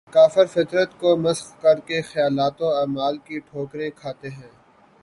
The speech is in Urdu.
کافر فطرت کو مسخ کر کے خیالات و اعمال کی ٹھوکریں کھاتے ہیں